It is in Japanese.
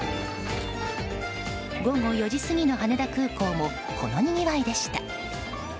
午後４時過ぎの羽田空港もこのにぎわいでした。